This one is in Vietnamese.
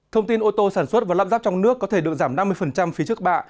thông tin ô tô sản xuất và lắp ráp trong nước có thể được giảm năm mươi phí trước bạ